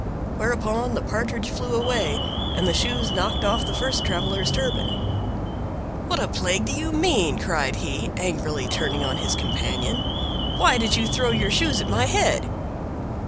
Whereupon the Partridge flew away, and the shoes knocked off the first traveler's turban. "What a plague do you mean?" cried he, angrily turning on his companion. "Why did you throw your shoes at my head?"